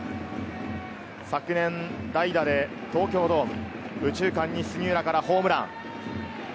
昨年、代打で東京ドーム、右中間に杉浦からホームラン。